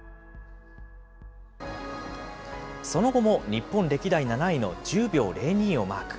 その後も日本歴代７位の１０秒０２をマーク。